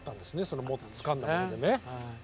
そのつかんだものでね。